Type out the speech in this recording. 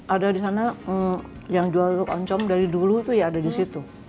ada di sana yang jual oncom dari dulu itu ya ada di situ